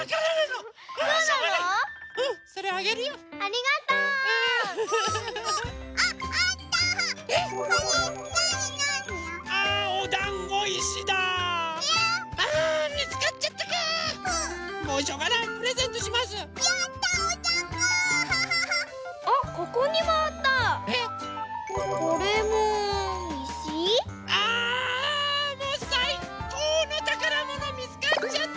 もうさいこうのたからものみつかっちゃった！